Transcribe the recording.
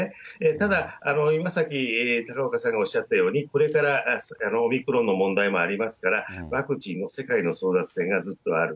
ただ、今さっき、高岡さんがおっしゃったように、これからオミクロンの問題もありますから、ワクチンの世界の争奪戦がずっとある。